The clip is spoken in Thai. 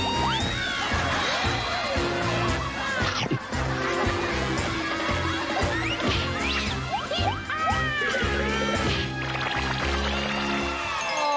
โอ้โฮ